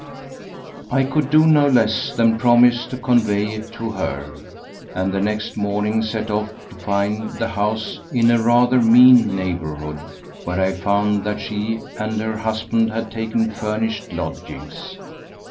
I could do no less than promise to convey it to her, and the next morning set off to find the house, in a rather mean neighbourhood, where I found that she and her husband had taken furnished lodgings.